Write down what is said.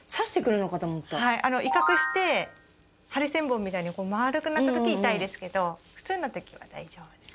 威嚇してハリセンボンみたいに丸くなった時痛いですけど普通の時は大丈夫です。